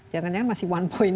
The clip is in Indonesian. jangan jangan masih satu